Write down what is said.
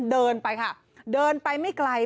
เดินไปค่ะเดินไปไม่ไกล